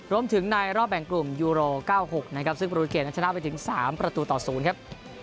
รวมถึงในรอบแบ่งกลุ่มยูโร๙๖นะครับซึ่งประตูเกรดชนะไปถึงสามประตูต่อศูนย์ครับ